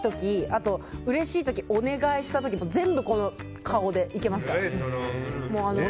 あと、うれしい時お願いしたい時全部、この顔でいけますから。